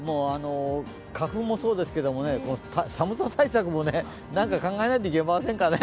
花粉もそうですけど、寒さ対策も何か考えないといけませんかね。